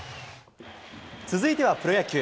続いてはプロ野球。